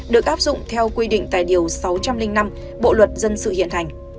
được áp dụng theo quy định tài điều sáu trăm linh năm bộ luật dân sự hiện hành